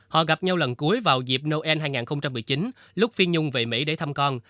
họ gặp nhau lần cuối vào dịp noel hai nghìn một mươi chín lúc phi nhung về mỹ để thăm con